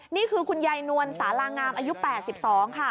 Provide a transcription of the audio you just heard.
นี่คือคุณยายนวลสารางามอายุ๘๒ค่ะ